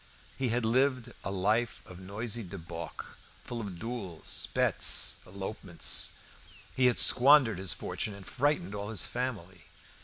He had lived a life of noisy debauch, full of duels, bets, elopements; he had squandered his fortune and frightened all his family.